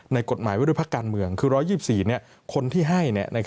กฎหมายไว้ด้วยพักการเมืองคือ๑๒๔คนที่ให้